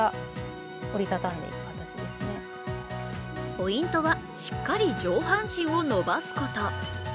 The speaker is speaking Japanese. ポイントは、しっかり上半身を伸ばすこと。